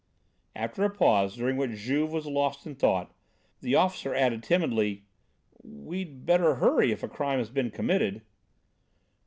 After a pause, during which Juve was lost in thought, the officer added timidly: "We'd better hurry if a crime has been committed."